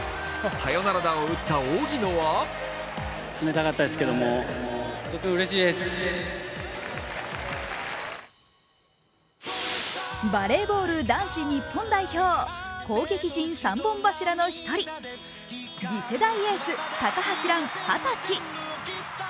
サヨナラ打を打った荻野は点々バレーボール男子日本代表、攻撃陣３本柱の１人、次世代エース・高橋藍二十歳。